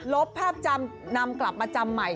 บภาพจำนำกลับมาจำใหม่